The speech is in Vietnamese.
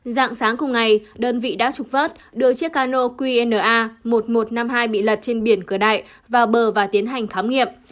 dạng sáng cùng ngày đơn vị đã trục vớt đưa chiếc cano qna một nghìn một trăm năm mươi hai bị lật trên biển cửa đại vào bờ và tiến hành khám nghiệm